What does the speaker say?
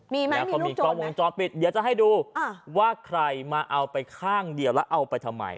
มีไหมแล้วก็มีกล้องวงจรปิดเดี๋ยวจะให้ดูว่าใครมาเอาไปข้างเดียวแล้วเอาไปทำไม